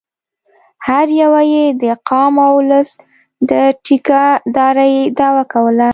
هر یوه یې د قام او اولس د ټیکه دارۍ دعوه کوله.